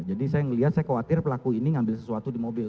jadi saya ngeliat saya khawatir pelaku ini ngambil sesuatu di mobil